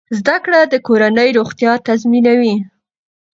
زده کړه د کورنۍ روغتیا تضمینوي۔